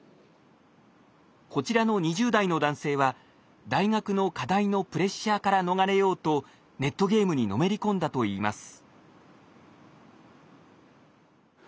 こちらの２０代の男性は大学の課題のプレッシャーから逃れようとネットゲームにのめり込んだといいます。